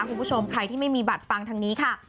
คุณผู้ชมใครที่ไม่มีบัตรฟังทางนี้ค่ะ